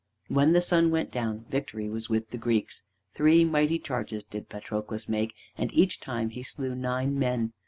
When the sun went down, victory was with the Greeks. Three mighty charges did Patroclus make, and each time he slew nine men.